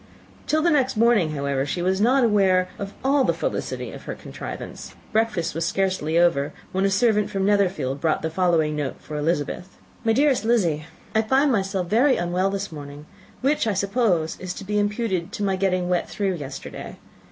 Till the next morning, however, she was not aware of all the felicity of her contrivance. Breakfast was scarcely over when a servant from Netherfield brought the following note for Elizabeth: /* NIND "My dearest Lizzie, */ "I find myself very unwell this morning, which, I suppose, is to be imputed to my getting wet through yesterday.